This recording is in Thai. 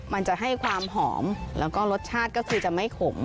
มันจะให้ความหอมแล้วก็รสชาติก็คือจะไม่ขม